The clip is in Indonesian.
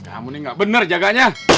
kamu nih gak bener jaganya